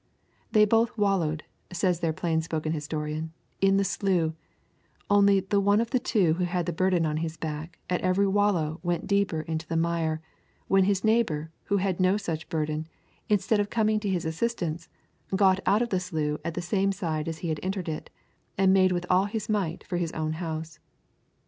They both wallowed, says their plain spoken historian, in the slough, only the one of the two who had the burden on his back at every wallow went deeper into the mire; when his neighbour, who had no such burden, instead of coming to his assistance, got out of the slough at the same side as he had entered it, and made with all his might for his own house.